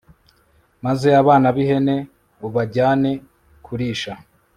maze abana b'ihene ubajyane kurisha